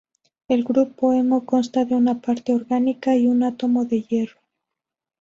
El grupo hemo consta de una parte orgánica y un átomo de hierro.